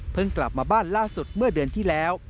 กลับมาบ้านล่าสุดเมื่อเดือนที่แล้ว